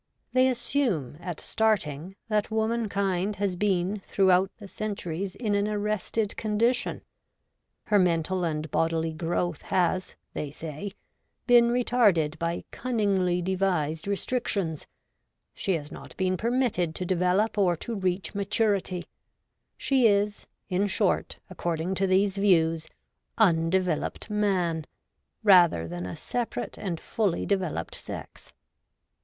They assume, at starting, that womankind has been throughout the centuries in an arrested condition. Her mental and bodily growth has, they say, been retarded by cunningly devised restrictions ; she has not been permitted to develop or to reach maturity — she is, in short, according to these views, undeveloped man, rather than a separate and fully developed sex.